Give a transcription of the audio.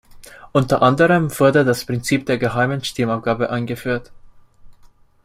Unter anderem wurde das Prinzip der geheimen Stimmabgabe eingeführt.